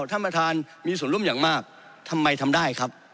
ท่านประธานมีส่วนร่วมอย่างมากทำไมทำได้ครับ